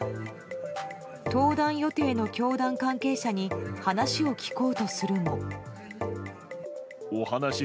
登壇予定の教団関係者に話を聞こうとするも。